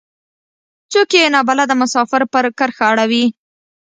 څوک يې نا بلده مسافر پر کرښه اړوي.